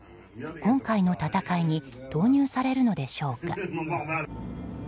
今回の戦いに投入されるのでしょうか。